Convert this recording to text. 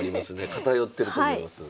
偏ってると思います。